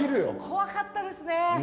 怖かったですね！